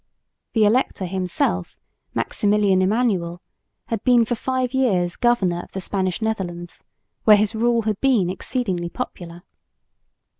The Elector himself, Maximilian Emmanuel, had been for five years Governor of the Spanish Netherlands, where his rule had been exceedingly popular.